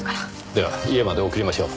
では家まで送りましょう。